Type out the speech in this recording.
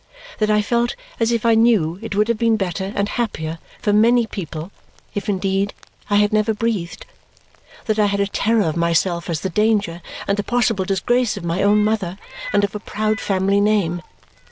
That I felt as if I knew it would have been better and happier for many people if indeed I had never breathed. That I had a terror of myself as the danger and the possible disgrace of my own mother and of a proud family name.